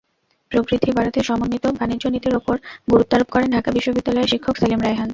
প্রবৃদ্ধি বাড়াতে সমন্বিত বাণিজ্যনীতির ওপর গুরত্বারোপ করেন ঢাকা বিশ্ববিদ্যালয়ের শিক্ষক সেলিম রায়হান।